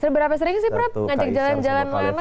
berapa sering sih prab ngajak jalan jalan sama anak